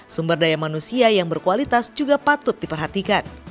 sumber daya manusia yang berkualitas juga patut diperhatikan